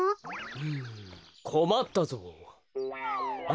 うんこまったぞう。